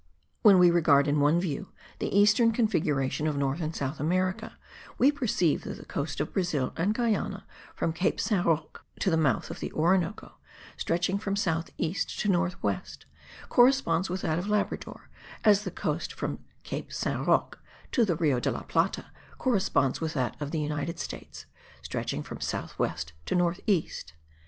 When we regard in one view the eastern configuration of North and South America, we perceive that the coast of Brazil and Guiana, from Cape Saint Roque to the mouth of the Orinoco (stretching from south east to north west), corresponds with that of Labrador, as the coast from Cape Saint Roque to the Rio de la Plata corresponds with that of the United States (stretching from south west to north east).